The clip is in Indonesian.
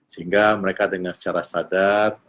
sehingga mereka dengan secara sadar